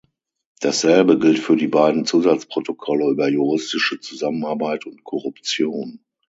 Dasselbe gilt für die beiden Zusatzprotokolle über juristische Zusammenarbeit und Korruption.